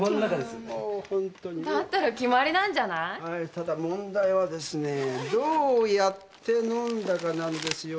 ただ問題はですねどうやって飲んだかなんですよね。